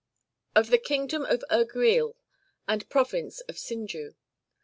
Of the Kingdom of Erguiul, and Province of Sinju.